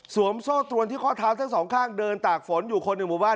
โซ่ตรวนที่ข้อเท้าทั้งสองข้างเดินตากฝนอยู่คนหนึ่งหมู่บ้าน